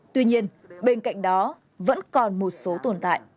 tuy nhiên bên cạnh đó vẫn còn một số tồn tại